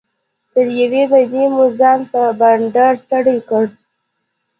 تر یوې بجې مو ځان په بنډار ستړی کړ.